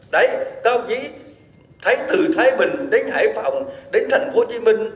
đấy các ông chí từ thái bình đến hải phòng đến thành phố hồ chí minh